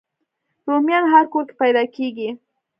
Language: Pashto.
رومیان هر کور کې پیدا کېږي